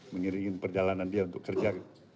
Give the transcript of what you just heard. mengiringi perjalanan dia untuk kerja